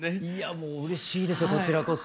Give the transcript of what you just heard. もううれしいですよこちらこそ。